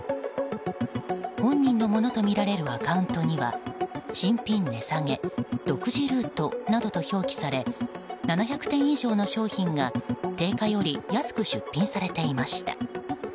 本人のものとみられるアカウントには新品値下げ独自ルートなどと表記され７００点以上の商品が定価より安く出品されていました。